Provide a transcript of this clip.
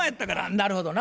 なるほどな。